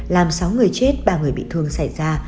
làm sáu người chết ba người bị thương xảy ra